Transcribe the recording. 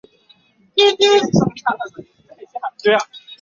刘氏的许多作品之中皆可见到其融合家乡客家文化与自然风采于其中。